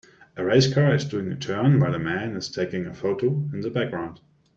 A race car is doing a turn while a man is taking a photo in the background.